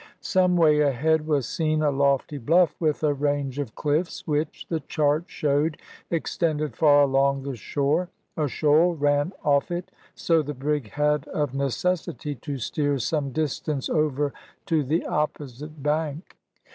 Some way ahead was seen a lofty bluff with a range of cliffs, which, the chart showed, extended far along the shore; a shoal ran off it, so the brig had of necessity to steer some distance over to the opposite bank.